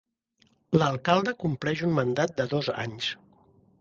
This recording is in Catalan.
L'alcalde compleix un mandat de dos anys.